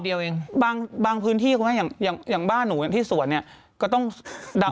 เทียบกับขนาดนิ้วแล้วตัวเล็กนะ